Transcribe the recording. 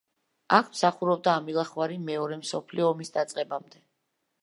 აქ მსახურობდა ამილახვარი მეორე მსოფლიო ომის დაწყებამდე.